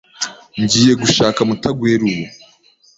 Ngiye gushaka Mutagwera ubu.